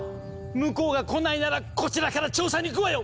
⁉向こうが来ないならこちらから調査に行くわよ！